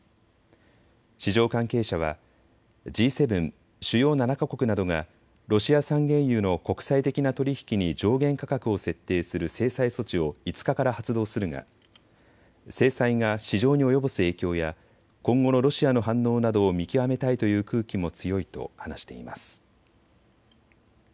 市場関係者はＧ７・主要７か国などがロシア産原油の国際的な取り引きに上限価格を設定する制裁措置を５日から発動するが制裁が市場に及ぼす影響や今後のロシアの反応などを見極めたいという空気も強いと話しています。